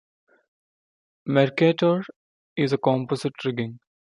"Mercator" is a composite rigging.